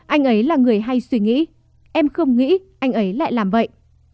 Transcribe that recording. anh ấy là người hay suy nghĩ em không nghĩ anh ấy lại làm vậy